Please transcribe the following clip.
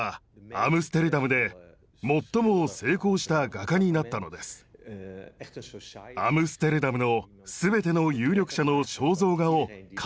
アムステルダムの全ての有力者の肖像画を描いたとまでいわれています。